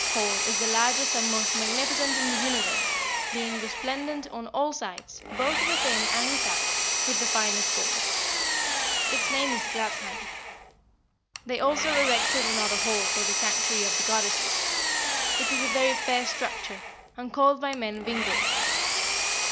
This hall is the largest and most magnificent in the universe, being resplendent on all sides, both within and without, with the finest gold. Its name is Gladsheim. They also erected another hall for the sanctuary of the goddesses. It is a very fair structure, and called by men Vingolf.